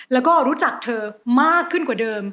แล้วก็รู้จักเธอมากขึ้นกว่าเดิม